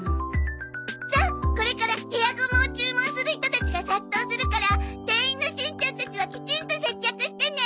さあこれからヘアゴムを注文する人たちが殺到するから店員のしんちゃんたちはきちんと接客してね！